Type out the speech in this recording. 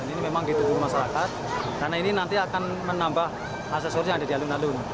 ini memang ditutupi masyarakat karena ini nanti akan menambah asesornya ada di alun alun